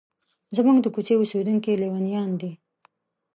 زموږ د کوڅې اوسیدونکي لیونیان نه دي.